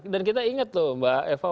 dan kita inget tuh mbak eva